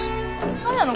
何やの？